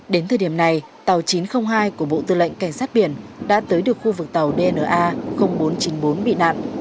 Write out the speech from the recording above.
đến thời điểm này tàu chín trăm linh hai của bộ tư lệnh cảnh sát biển đã tới được khu vực tàu dna bốn trăm chín mươi bốn bị nạn